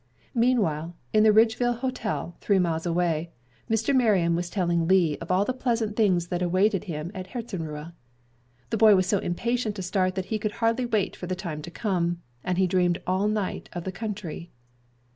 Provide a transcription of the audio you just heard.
Meanwhile, in the Ridgeville Hotel, three miles away, Mr. Marion was telling Lee of all the pleasant things that awaited him at Herzenruhe. The boy was so impatient to start that he could hardly wait for the time to come, and he dreamed all night of the country.